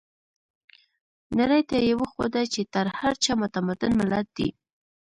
نړۍ ته يې وښوده چې تر هر چا متمدن ملت دی.